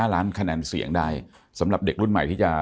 ล้านคะแนนเสียงได้สำหรับเด็กรุ่นใหม่ที่จะ